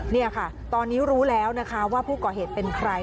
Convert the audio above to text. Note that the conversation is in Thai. นี่ค่ะตอนนี้รู้แล้วนะคะว่าผู้ก่อเหตุเป็นใคร